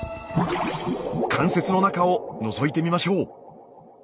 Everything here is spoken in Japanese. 関節の中をのぞいてみましょう。